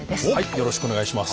よろしくお願いします。